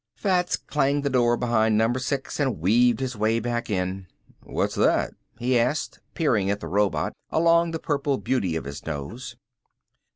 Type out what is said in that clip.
Fats clanged the door behind number six and weaved his way back in. "What's that?" he asked, peering at the robot along the purple beauty of his nose.